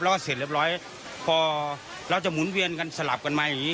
เสร็จเรียบร้อยพอเราจะหมุนเวียนกันสลับกันมาอย่างนี้